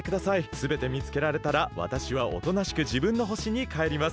すべてみつけられたらわたしはおとなしくじぶんのほしにかえります。